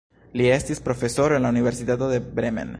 Li estis profesoro en la Universitato de Bremen.